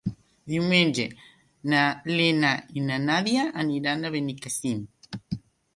Diumenge na Lena i na Nàdia aniran a Benicàssim.